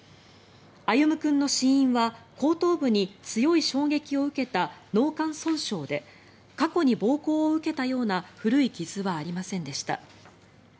歩夢君の死因は後頭部に強い衝撃を受けた脳幹損傷で過去に暴行を受けたような古い傷はありませんでした。